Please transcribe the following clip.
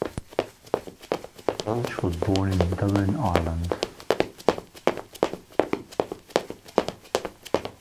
Walsh was born in Dublin, Ireland.